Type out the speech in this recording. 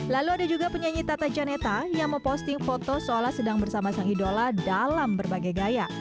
lalu ada juga penyanyi tata janeta yang memposting foto seolah sedang bersama sang idola dalam berbagai gaya